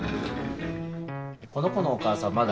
この子のお母さんまだ？